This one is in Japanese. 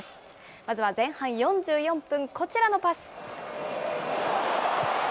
まずは前半４４分、こちらのパス。